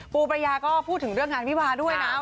ประยาก็พูดถึงเรื่องงานวิวาด้วยนะ